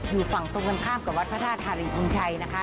อยู่ฝั่งตรงกันข้ามกับวัดพระธาตุภาษณ์ทะลิภูมิกันชัยนะคะ